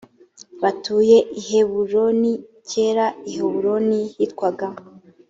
batuye i heburoni kera i heburoni hitwaga